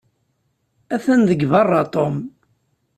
Atan deg beṛṛa Tom.